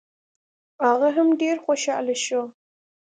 هغه هم ډېر خوشحاله شو.